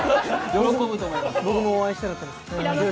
僕もお会いしたかったです。